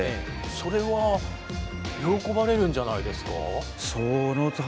それは喜ばれるんじゃないですか？